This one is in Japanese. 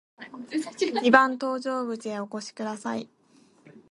二番搭乗口へお越しください。